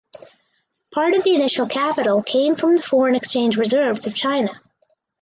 Part of the initial capital came from the foreign exchange reserves of China.